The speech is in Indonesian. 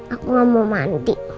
aku gak mau mandi